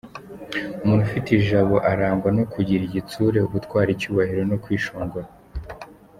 Umuntu ufite ijabo arangwa no kugira igitsure, ubutwari, icyubahiro no kwishongora.